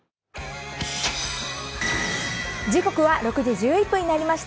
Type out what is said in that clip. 時刻は６時１１分になりました。